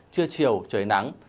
trưa chiều trời nắng